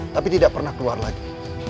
tapi tidak pernah keluar lagi